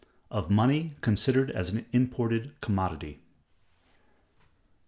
Of Money Considered As An Imported Commodity.